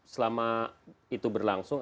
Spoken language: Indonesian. selama itu berlangsung